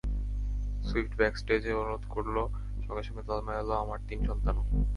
Swift ব্যাকস্টেজে অনুরোধ করলো, সঙ্গে সঙ্গে তাল মেলালো আমার তিন সন্তানও।